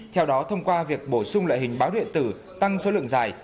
theo đó thông qua việc bổ sung lợi hình báo địa tử tăng số lượng giải